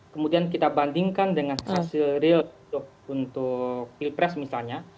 kemudian kita bandingkan dengan hasil real untuk pilpres misalnya